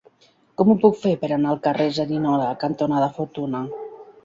Com ho puc fer per anar al carrer Cerignola cantonada Fortuna?